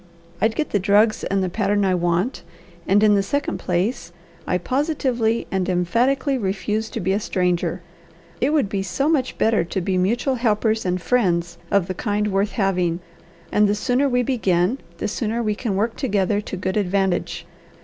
I'd get the drugs and the pattern I want; and, in the second place, I positively and emphatically refuse to be a stranger. It would be so much better to be mutual helpers and friends of the kind worth having; and the sooner we begin, the sooner we can work together to good advantage.